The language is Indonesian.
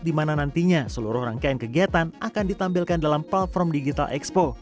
di mana nantinya seluruh rangkaian kegiatan akan ditampilkan dalam platform digital expo